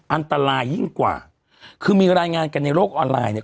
อันตรายยิ่งกว่าคือมีรายงานกันในโลกออนไลน์เนี่ย